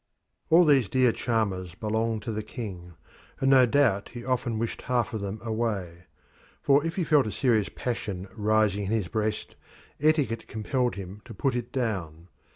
All these dear charmers belonged to the king, and no doubt he often wished half of them away. For if he felt a serious passion rising in his breast, etiquette compelled him to put it down.